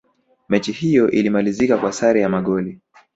mechi hiyo ilimalizika kwa sare ya magoli